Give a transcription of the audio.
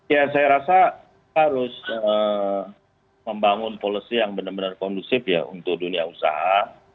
ya saya rasa harus membangun polisi yang benar benar kondusif ya untuk dunia usaha